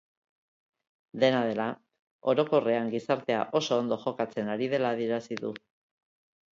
Dena dela, orokorrean gizartea oso ondo jokatzen ari dela adierazi du.